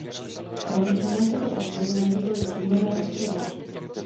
Féničané tyto ostrovy nazývali "Cínové ostrovy".